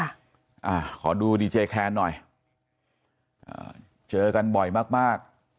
อ่าขอดูดีเจแคนหน่อยอ่าเจอกันบ่อยมากมาก